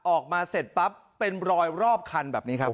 ออกมาเสร็จปั๊บเป็นรอยรอบคันแบบนี้ครับ